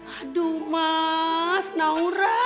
aduh mas naura